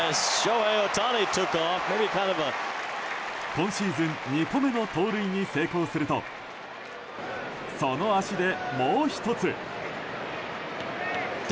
今シーズン２個目の盗塁に成功するとその足で、もう１つ。